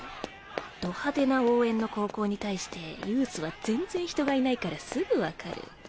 ど派手な応援の高校に対してユースは全然人がいないからすぐ分かる。